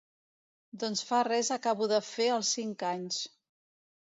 Doncs fa res acabo de fer els cinc anys.